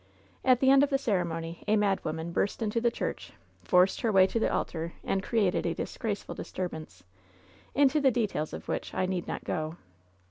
At the end of the ceremony a madwoman burst into the church, forced her way to the altar and created a disgraceful disturbance, into the details of which I need not go.